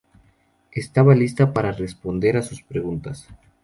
Estaba lista para responder a sus preguntas.